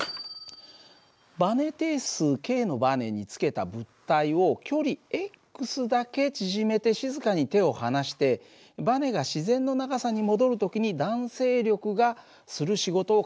バネ定数ｋのバネにつけた物体を距離だけ縮めて静かに手を離してバネが自然の長さに戻る時に弾性力がする仕事を考えてみよう。